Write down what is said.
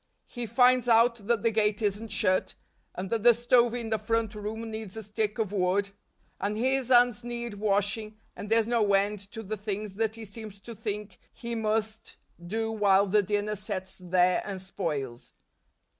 He finds out that the gate isn't shut, and that the stove in the front room needs a stick of wood, and his hands need washing, and there's no end to the things that he seems to think he must do while the dinner sets there and spoils.